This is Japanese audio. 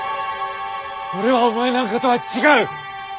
俺はお前なんかとは違う！